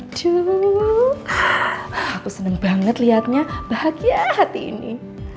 aduh aku seneng banget liatnya bahagia hati ini